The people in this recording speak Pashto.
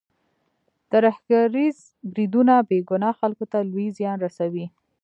ترهګریز بریدونه بې ګناه خلکو ته لوی زیان رسوي.